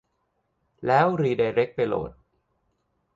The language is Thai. แล้วรีไดเร็กไปโหลด